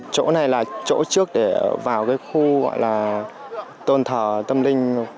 chỗ này là chỗ trước để vào khu tôn thờ tâm linh